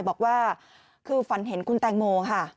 บอกว่าคือฝันเห็นคุณแตงโมค่ะ